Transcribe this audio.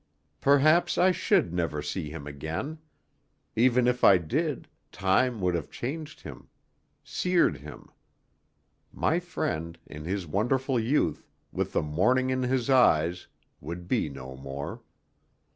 Perhaps I should never see him again; even if I did, time would have changed him, seared him my friend, in his wonderful youth, with the morning in his eyes, would be no more.